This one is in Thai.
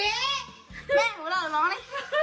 แม่ของเราร้องเลย